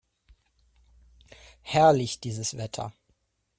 Herrlich, dieses Wetter!